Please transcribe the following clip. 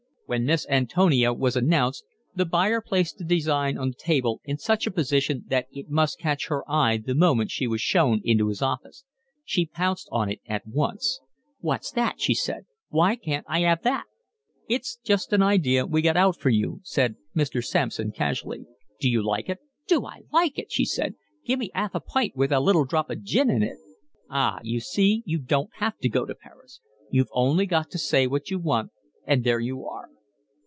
When Miss Antonia was announced, the buyer placed the design on the table in such a position that it must catch her eye the moment she was shown into his office. She pounced on it at once. "What's that?" she said. "Why can't I 'ave that?" "That's just an idea we got out for you," said Mr. Sampson casually. "D'you like it?" "Do I like it!" she said. "Give me 'alf a pint with a little drop of gin in it." "Ah, you see, you don't have to go to Paris. You've only got to say what you want and there you are."